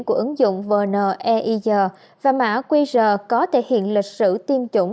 của ứng dụng vn e i g và mạng qr có thể hiện lịch sử tiêm chủng